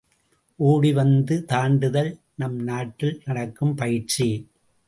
ஓடிவந்து தாண்டுதல் நம் நாட்டில் நடக்கும் பயிற்சி.